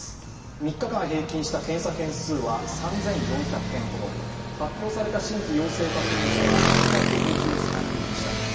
３日間平均した検査件数は３４００件ほど、発表された新規陽性確認者は２５３人でした。